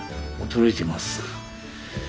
驚いてます。